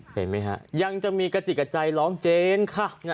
เห็นไหมฮะยังจะมีกระจิกกระใจร้องเจนค่ะ